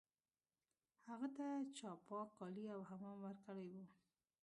هغه ته چا پاک کالي او حمام هم ورکړی و